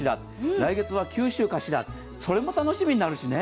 来月は九州かしら、それも楽しみになるしね。